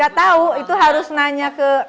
gak tahu itu harus nanya ke